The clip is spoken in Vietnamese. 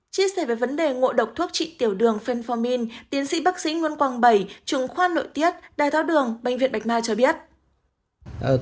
chia sẻ về vấn đề ngộ độc thuốc trị tiểu đường phenformin tiến sĩ bác sĩ nguyễn quang bảy trưởng khoan nội tiết đai thác đường bệnh viện bạch ma cho biết